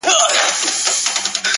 سایه یې نسته او دی روان دی ـ